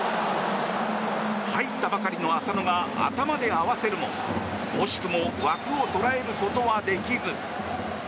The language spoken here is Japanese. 入ったばかりの浅野が頭で合わせるも惜しくも枠を捉えることはできず。